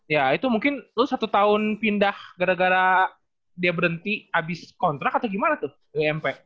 ya itu mungkin lu satu tahun pindah gara gara dia berhenti abis kontrak atau gimana tuh di mp